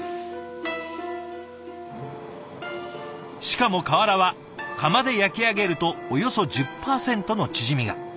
しかも瓦は窯で焼き上げるとおよそ１０％の縮みが。